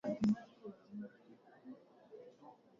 Nchini Uganda ambapo bei ya petroli imeongezeka kufikia dola Mmoja